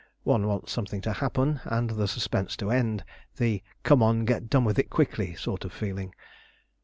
One wants something to happen and the suspense to end; the "Come on! get done with it quickly" sort of feeling.